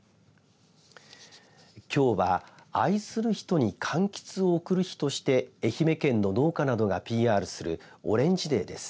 きょうは愛する人にかんきつを贈る日として愛媛県の農家などがＰＲするオレンジデーです。